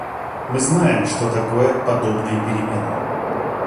Мы знаем, что такое подобные перемены.